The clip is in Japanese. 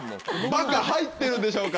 「バカ」入ってるでしょうか？